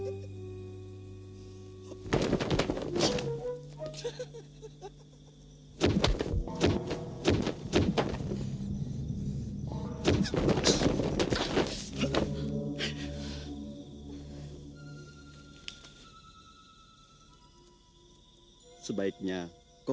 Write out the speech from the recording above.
tidak ada yang bisa dihukum